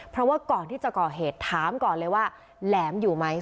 เพราะว่าก่อนที่จะก่อเหตุถามก่อนเลยว่าแหลมอยู่ไหม